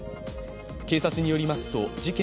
警察によりますと、事件